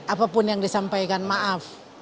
apapun yang disampaikan maaf